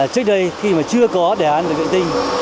trước đây khi mà chưa có đề án về bệnh viện tinh